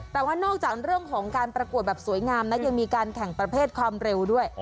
แต่ว่านอกจากเรื่องของการประกวดแบบสวยงามนะยังมีการแข่งประเภทความเร็วด้วย